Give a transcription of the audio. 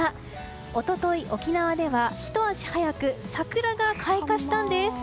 一昨日、沖縄ではひと足早く桜が開花したんです。